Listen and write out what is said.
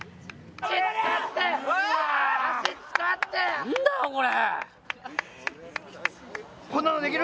何だよ、これ！